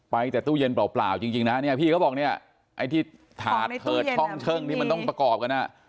ไปแต่ตู้เย็นเปล่าจริงนะเนี่ยพี่เขาบอกเนี่ยไอ้ที่ถาดเถิดช่องที่มันต้องประกอบกันอ่ะ